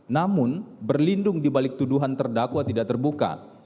namun berlindung dibalik tuduhan terdakwa tidak terbuka